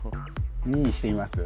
２にしてみます？